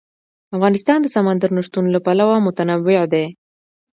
افغانستان د سمندر نه شتون له پلوه متنوع دی.